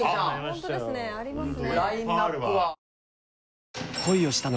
本当ですねありますね。